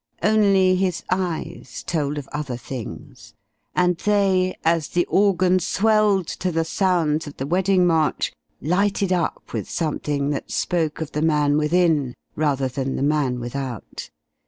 Only his eyes told of other things, and they, as the organs welled to the sounds of the wedding march lighted up with something that spoke of the man within rather than the man without.